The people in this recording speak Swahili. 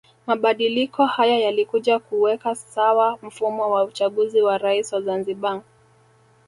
Mabadiliko haya yalikuja kuweka sawa mfumo wa uchaguzi wa Rais wa Zanzibar